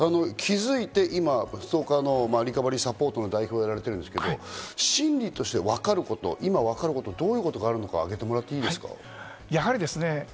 気づいて今、リカバリー・サポートの代表をされていますが、心理としてわかること、どういうことがあるのか、あげてもらっていいですか？